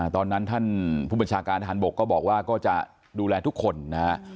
ตอนนั้นท่านผู้บัญชาการทหารบกก็บอกว่าก็จะดูแลทุกคนนะฮะ